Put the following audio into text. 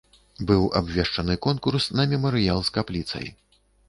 Быў абвешчаны конкурс на мемарыял з капліцай.